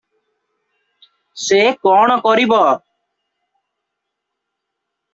ସେ କଣ କରିବ?